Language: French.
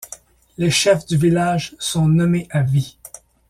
Les Chefs du village sont nommés à vie.